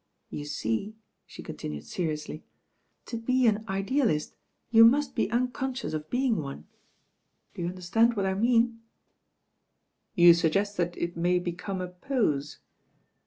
You see," she continued seri ously, "to be an idealist you must be unconprious of being one. Do you understand what I mean?" XH£ TWO DRAGONS'* 4a "You luggett that it may become a pote."